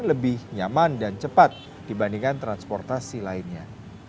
lebih nyaman dan cepat dibandingkan transportasi lainnya